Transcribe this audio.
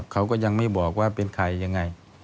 เขาก็ยังไม่บอกว่าเป็นใครยังไง